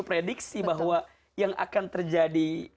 prediksi bahwa yang akan terjadi